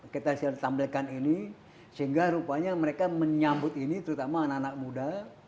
kita tampilkan ini sehingga rupanya mereka menyambut ini terutama anak anak muda